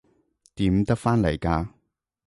點得返嚟㗎？